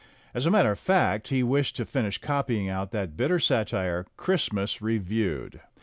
As a matter of fact, he wished to finish copying out that bitter satire, "Christmas Reviewed."